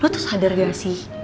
lo tuh sadar gak sih